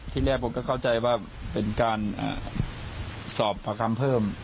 ที่แรกผมก็เข้าใจว่าเป็นการสอบประคำเพิ่ม